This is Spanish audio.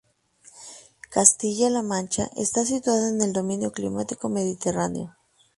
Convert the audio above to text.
Castilla-La Mancha está situada en el dominio climático mediterráneo.